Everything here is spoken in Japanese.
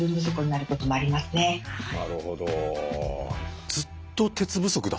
なるほど。